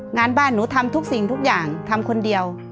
งานบ้านหนูทำทุกสิ่งทุกอย่างทำคนเดียว